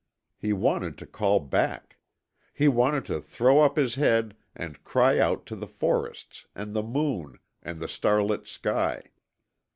He wanted to call back. He wanted to throw up his head and cry out to the forests, and the moon, and the starlit sky.